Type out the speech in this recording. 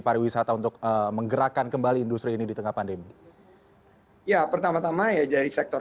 pariwisata untuk menggerakkan kembali industri ini di tengah pandemi ya pertama tama ya jadi sektor